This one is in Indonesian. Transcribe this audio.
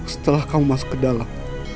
setelah kau masuk ke dalam